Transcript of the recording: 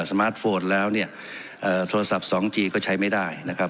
มาร์ทโฟนแล้วเนี่ยเอ่อโทรศัพท์สองจีก็ใช้ไม่ได้นะครับ